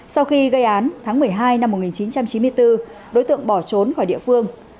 sau khi gây án tháng một mươi hai năm một nghìn chín trăm chín mươi bốn đối tượng bỏ trốn khỏi địa phương